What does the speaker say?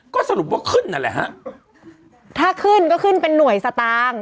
ก็สรุปว่าขึ้นนั่นแหละฮะถ้าขึ้นก็ขึ้นเป็นหน่วยสตางค์